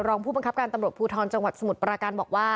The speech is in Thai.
รองผู้บังคับการตำรวจภูทรจังหวัดสมุทรปราการบอกว่า